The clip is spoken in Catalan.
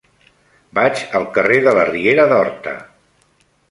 Vaig al carrer de la Riera d'Horta.